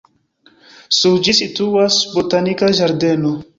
Sur ĝi situas botanika ĝardeno.